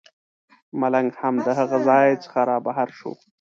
ملنګ هم د هغه ځای څخه رابهر شو.